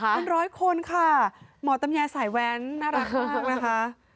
เป็นร้อยคนค่ะหมอตำแยสายแว้นน่ารักมากนะคะ